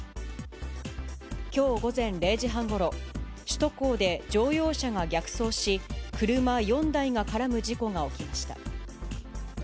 きょう午前０時半ごろ、首都高で乗用車が逆走し、車４台が絡む事故が起きました。